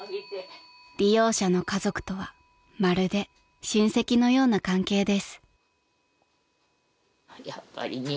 ［利用者の家族とはまるで親戚のような関係です］